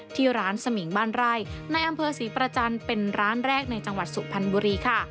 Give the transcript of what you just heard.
ที่ร้านสมิงบ้านไร่ในอำเภอศรีประจันทร์เป็นร้านแรกในจังหวัดสุพรรณบุรีค่ะ